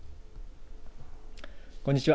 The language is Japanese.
こんにちは。